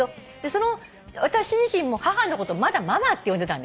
私自身も母のことまだ「ママ」って呼んでたんですよ。